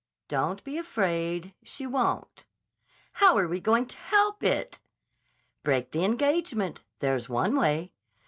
"Don't be afraid. She won't." "How are we going to help it?" "Break the engagement; there's one way.